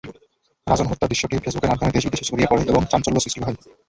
রাজন হত্যার দৃশ্যটি ফেসবুকের মাধ্যমে দেশে–বিদেশে ছড়িয়ে পড়ে এবং চাঞ্চল্য সৃষ্টি হয়।